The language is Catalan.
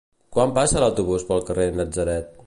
Quan passa l'autobús pel carrer Natzaret?